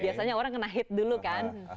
biasanya orang kena hit dulu kan